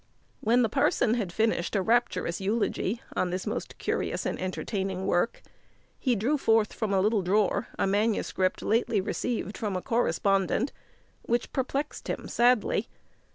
When the parson had finished a rapturous eulogy on this most curious and entertaining work, he drew forth from a little drawer a manuscript lately received from a correspondent, which perplexed him sadly.